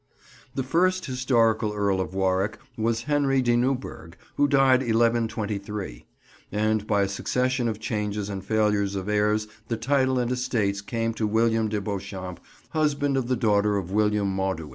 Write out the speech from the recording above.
The first historical Earl of Warwick was Henry de Newburgh, who died 1123; and by a succession of changes and failures of heirs the title and estates came to William de Beauchamp, husband of the daughter of William Mauduit.